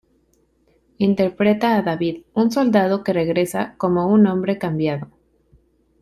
Interpreta a David, un soldado que regresa como un hombre cambiado.